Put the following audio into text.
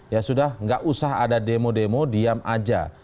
ya sudah nggak usah ada demo demo diam aja